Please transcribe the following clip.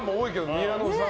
宮野さん